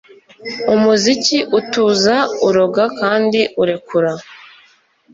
Umuziki utuza uroga kandi urekura